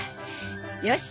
よし！